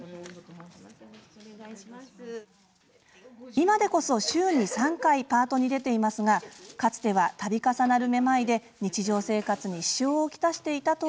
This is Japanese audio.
今でこそ週に３回パートに出ていますがかつては度重なるめまいで日常生活に支障を来していたといいます。